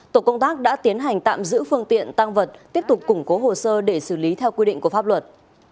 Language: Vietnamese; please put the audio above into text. tổ công tác đã tiến hành tạm giữ phương tiện tăng vật tiếp tục củng cố hồ sơ để xử lý theo quy định của pháp luật